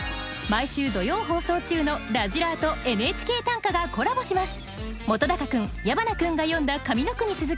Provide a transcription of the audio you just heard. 毎週土曜放送中の「らじらー！」と「ＮＨＫ短歌」がコラボします。